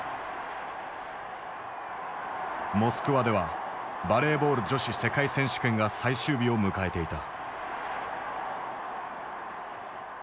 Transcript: モスクワではバレーボール女子世界選手権が最終日を迎えていた。